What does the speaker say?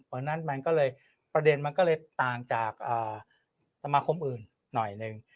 เพราะฉะนั้นมันก็เลยประเด็นมันก็เลยต่างจากสมาคมอื่นหน่อยหนึ่ง